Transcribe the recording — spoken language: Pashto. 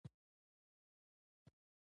د ټکنالوجۍ پرمختګ د معلوماتو بهیر ګړندی کړی دی.